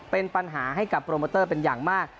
เป็นปัญหาให้กับโปรโมเตอร์เป็นอย่างมาก